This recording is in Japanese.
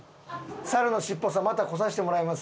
猿のしっぽさんまた来させてもらいます。